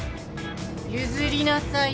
譲りなさいよ。